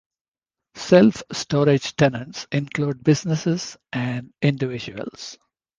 Self-storage tenants include businesses and individuals.